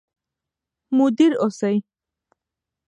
مدیر اوسئ.